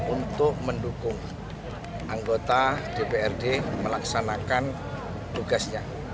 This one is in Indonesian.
untuk mendukung anggota dprd melaksanakan tugasnya